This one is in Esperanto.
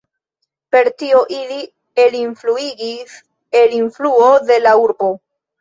Per tio ili elinfluigis el influo de la urbo.